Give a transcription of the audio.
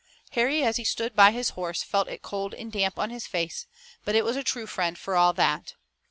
Harry as he stood by his horse felt it cold and damp on his face, but it was a true friend for all that.